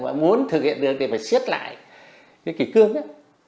mà muốn thực hiện được thì phải xếp lại cái kỷ cương đó